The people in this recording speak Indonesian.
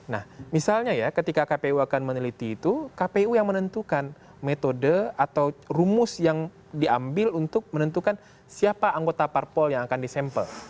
nah misalnya ya ketika kpu akan meneliti itu kpu yang menentukan metode atau rumus yang diambil untuk menentukan siapa anggota parpol yang akan disampel